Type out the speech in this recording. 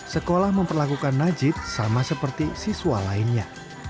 sekolah memperlakukan najib sama seperti siswa lainnya